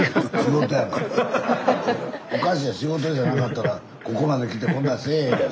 おかしいやん仕事じゃなかったらここまで来てこんなんせぇへんやん。